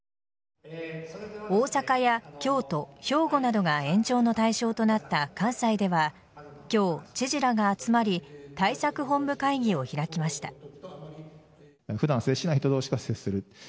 大阪や京都、兵庫などが延長の対象となった関西では今日、知事らが集まり対策本部会議を開きました。